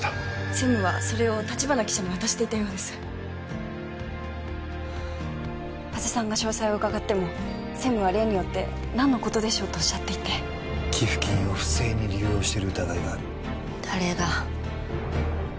専務はそれを橘記者に渡していたようですはあ加瀬さんが詳細を伺っても専務は例によって「何のことでしょう」とおっしゃっていて寄付金を不正に流用している疑いがある誰が？